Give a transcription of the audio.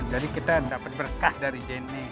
jadi kita dapat berkah dari jna